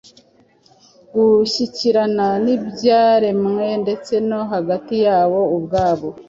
gushyikirana n’ibyaremwe ndetse no hagati yabo ubwabo.